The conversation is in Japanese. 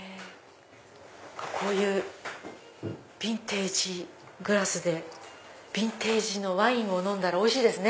こういうヴィンテージグラスでヴィンテージのワイン飲んだらおいしいですね。